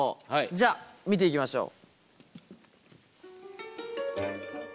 じゃあ見ていきましょう。